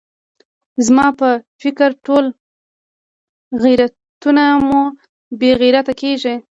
زما په فکر ټول غیرتونه مو بې غیرته کېږي.